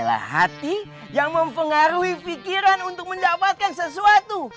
adalah hati yang mempengaruhi pikiran untuk mendapatkan sesuatu